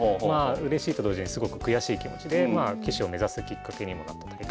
うれしいと同時にすごく悔しい気持ちで棋士を目指すきっかけにもなった大会だったんですね。